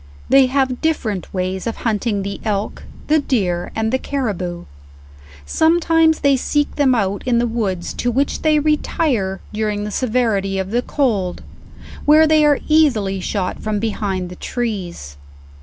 They have different ways of hunting the elk, the deer, and the carriboo. Sometimes they seek them out in the woods, to which they retire during the severity of the cold, where they are easily shot from behind the trees.